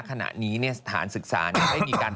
ขณะนี้สถานศึกษาได้มีการ